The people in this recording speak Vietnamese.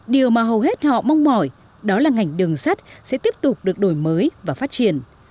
điều mà hầu hết họ mong mỏi đó là ngành đường sắt sẽ tiếp tục được đổi mới và phát triển